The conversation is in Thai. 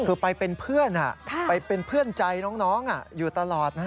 คือไปเป็นเพื่อนไปเป็นเพื่อนใจน้องอยู่ตลอด